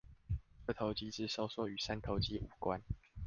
二頭肌之收縮與三頭肌無關